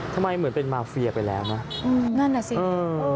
ทำไมเหมือนเป็นมาร์เฟียไปแล้วนะอืมนั่นแหละสิเออ